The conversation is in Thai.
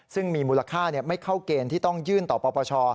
ซึ่งมีมูลค่าไม่เข้าเกณฑ์ที่ต้องยื่นต่อปปช